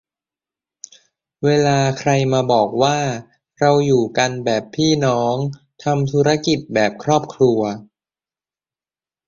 เวลาใครมาบอกว่า "เราอยู่กันแบบพี่น้อง" "ทำธุรกิจแบบครอบครัว"